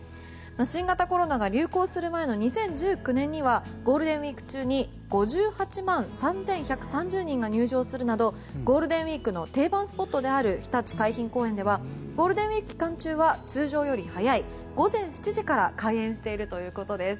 新型コロナが流行する前の２０１９年にはゴールデンウィーク中に５８万３１３０人が入場するなどゴールデンウィークの定番スポットであるひたち海浜公園ではゴールデンウィーク期間中は通常より早い午前７時から開園しているということです。